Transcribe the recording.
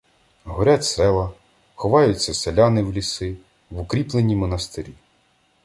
Горять села, ховаються селяни в ліси, в укріплені монастирі.